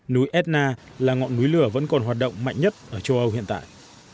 núi edna là ngọn núi lửa vẫn còn hoạt động mạnh nhất ở châu âu hiện tại